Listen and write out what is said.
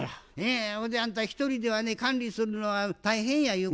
ほんであんた一人ではね管理するのは大変やゆう